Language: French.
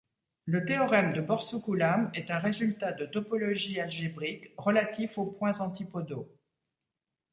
Le théorème de Borsuk-Ulam est un résultat de topologie algébrique relatif aux points antipodaux.